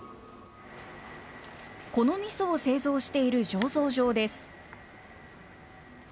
このみそを製造している醸造場です。